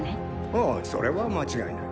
ああそれは間違いない。